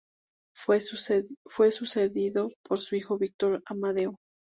Fue sucedido por su hijo Víctor Amadeo.